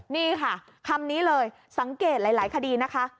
นี่ค่ะคำนี้เลยสังเกตหลายคดีนะคะ